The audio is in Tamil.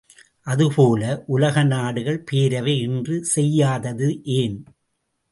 அதுபோல உலக நாடுகள் பேரவை இன்று செய்யாதது ஏன்?